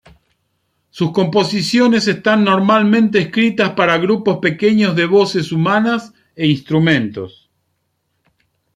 Sus composiciones están normalmente escritas para grupos pequeños de voces humanas e instrumentos.